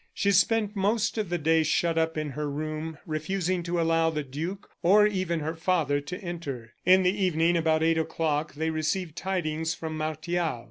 She spent most of the day shut up in her room, refusing to allow the duke, or even her father, to enter. In the evening, about eight o'clock, they received tidings from Martial.